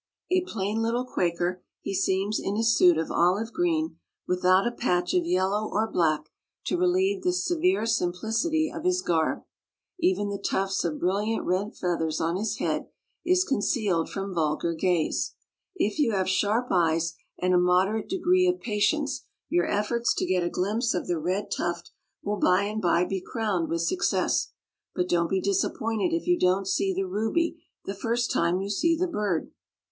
A plain little Quaker he seems in his suit of olive green without a patch of yellow or black to relieve the severe simplicity of his garb. Even the tufts of brilliant red feathers on his head is concealed from vulgar gaze. If you have sharp eyes and a moderate degree of patience your efforts to get a glimpse of the red tuft will by and by be crowned with success, but don't be disappointed if you don't see the ruby the first time you see the bird.